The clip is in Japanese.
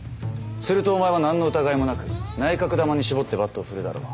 するとお前は何の疑いもなく内角球に絞ってバットを振るだろう？